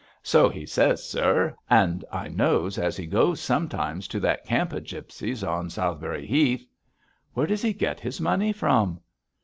'So he says, sir; and I knows as he goes sometimes to that camp of gipsies on Southberry Heath.' 'Where does he get his money from?'